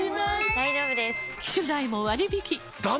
大丈夫です！